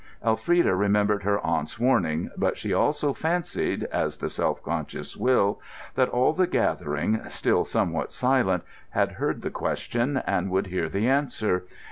Elfrida remembered her aunt's warning, but she also fancied (as the self conscious will) that all the gathering, still somewhat silent, had heard the question, and would hear the answer.